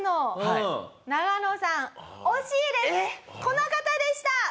この方でした。